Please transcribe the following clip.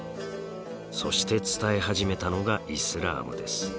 そして伝え始めたのがイスラームです。